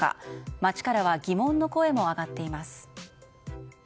街からは疑問の声も上がっています。